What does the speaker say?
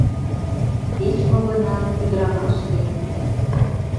Кеч-мо гынат, ӱдырамаш кид.